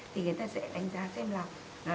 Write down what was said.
thì người ta sẽ đánh giá xem là